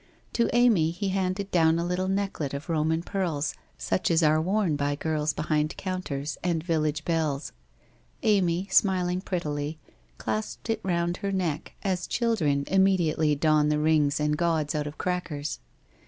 To Amy he handed down a little necklet of Roman pearls such as are worn by girls behind counters, and village belles. Amy, smiling prettily, clasped it round her neck, as children immediately don the rings and gauds out of crackers.